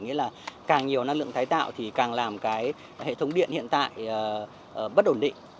nghĩa là càng nhiều năng lượng tái tạo thì càng làm cái hệ thống điện hiện tại bất ổn định